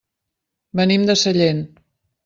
Venim de Sallent.